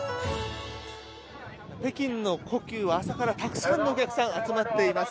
北京の故宮は朝からたくさんのお客さんが集まっています。